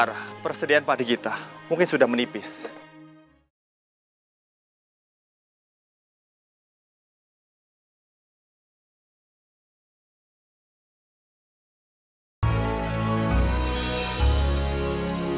sampai jumpa di video selanjutnya